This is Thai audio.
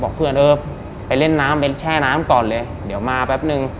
เพื่อนเออไปเล่นน้ำไปแช่น้ำก่อนเลยเดี๋ยวมาแป๊บนึง